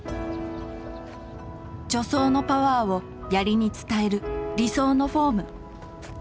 助走のパワーをやりに伝える理想のフォーム。